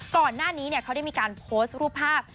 ก่อนหน้านี้เขาได้มีการโพสต์รูปภาพ